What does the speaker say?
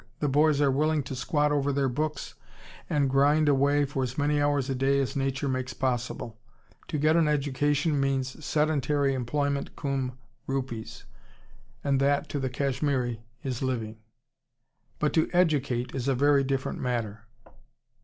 The boys are willing to squat over their books and grind away for as many hours a day as nature makes possible. To get an education means sedentary employment cum rupees. And that to the Kashmiri is living. "But to educate is a very different matter.